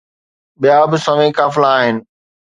ٻيا به سوين قافلا آهن